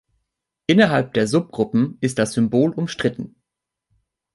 Innerhalb der Subgruppen ist das Symbol umstritten.